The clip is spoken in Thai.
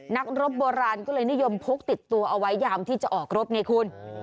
นักรบโบราณก็เลยนิยมพกติดตัวเอาไว้ยามที่จะออกรบไงคุณ